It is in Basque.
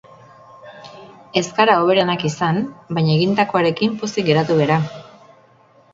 Ez gara hoberenak izan, baina egindakoarekin pozik geratu gara.